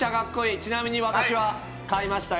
ちなみに私は、買いましたよ。